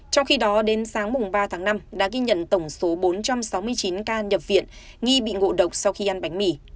trong khi đó đến sáng ba tháng năm đã ghi nhận tổng số bốn trăm sáu mươi chín ca nhập viện nghi bị ngộ độc sau khi ăn bánh mì